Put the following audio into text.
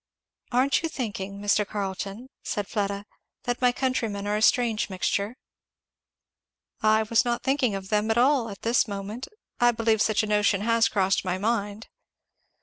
"Aren't you thinking, Mr. Carleton," said Fleda, "that my countrymen are a strange mixture?" "I was not thinking of them at all at this moment. I believe such a notion has crossed my mind."